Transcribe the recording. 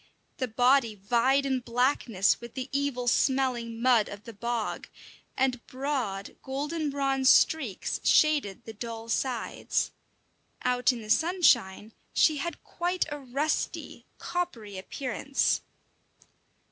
The body vied in blackness with the evil smelling mud of the bog, and broad, golden bronze streaks shaded the dull sides. Out in the sunshine she had quite a rusty, coppery appearance.